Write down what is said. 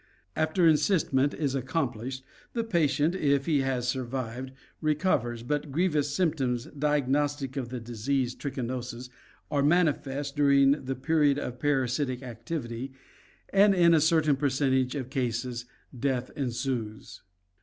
After encystment is accomplished, the patient, if he has survived, re covers, but grievous symptoms diagnostic of the disease trichinosis are manifest during the period of parasitic activity and in a certain percentage of cases death ensues.